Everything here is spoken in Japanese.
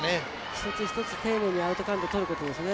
１つ１つ丁寧にアウトカウント取ることですね。